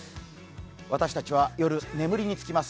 私たちは夜、眠りにつきます。